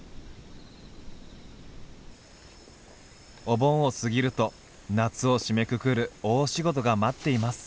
お盆を過ぎると夏を締めくくる大仕事が待っています。